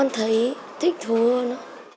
thấy thích thua hơn